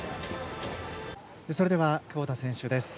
それでは、窪田選手です。